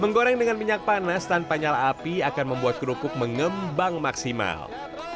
menggoreng dengan minyak panas tanpa nyala api akan membuat kerupuk mengembang maksimal